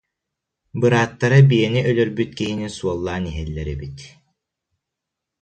Бырааттара биэни өлөрбүт киһини суоллаан иһэллэр эбит